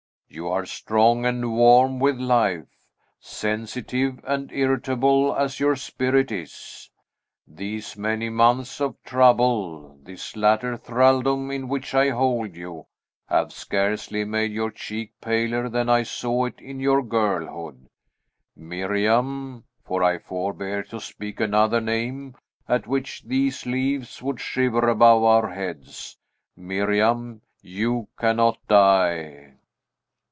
You are strong and warm with life. Sensitive and irritable as your spirit is, these many months of trouble, this latter thraldom in which I hold you, have scarcely made your cheek paler than I saw it in your girlhood. Miriam, for I forbear to speak another name, at which these leaves would shiver above our heads, Miriam, you cannot die!"